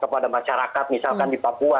kepada masyarakat misalkan di papua